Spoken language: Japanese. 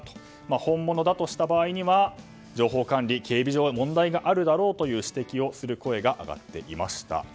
本物だとした場合には、情報管理警備上の問題があるだろうという指摘をする声が上がっていました。